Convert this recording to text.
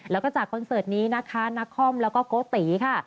แล้วก็จากคอนเสิร์ตนี้นะคะนักคอมแล้วก็โกติค่ะ